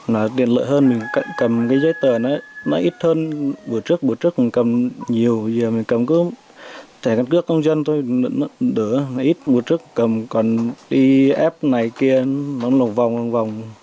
nó tiện lợi hơn mình cầm cái giấy tờ nó ít hơn buổi trước mình cầm nhiều giờ mình cầm cứ thẻ căn cước công dân thôi nó đỡ nó ít buổi trước cầm còn đi ép này kia nó lồng vòng lồng vòng